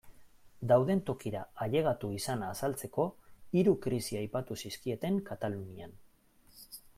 Dauden tokira ailegatu izana azaltzeko, hiru krisi aipatu zizkieten Katalunian.